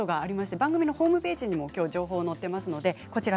番組のホームページの情報が載っています。